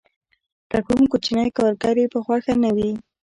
که کوم کوچنی کارګر یې په خوښه نه وي